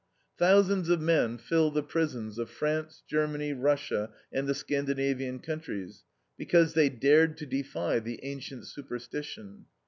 Thousands of men fill the prisons of France, Germany, Russia, and the Scandinavian countries, because they dared to defy the ancient superstition.